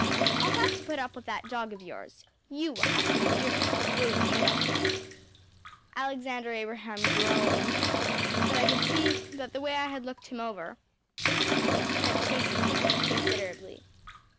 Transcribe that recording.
I’ll have to put up with that dog of yours. You will have to endure William Adolphus.‚ÄĚ Alexander Abraham groaned, but I could see that the way I had looked him over had chastened him considerably.